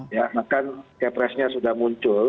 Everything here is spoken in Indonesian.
ya kan kpresnya sudah muncul